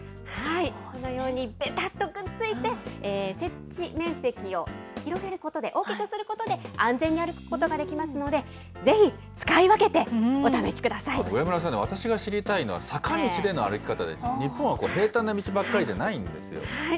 このように、べたっとくっついて、接地面積を広げることで、大きくすることで、安全に歩くことができますので、上村さん、私が知りたいのは、坂道での歩き方で、日本は平たんな道ばっかりじゃないんですよ。